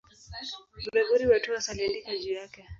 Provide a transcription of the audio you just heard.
Gregori wa Tours aliandika juu yake.